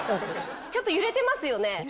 ちょっと揺れてますよね？